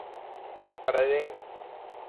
ฉากกระเด้ง